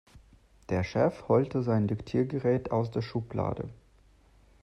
Der Chef holte sein Diktiergerät aus der Schublade.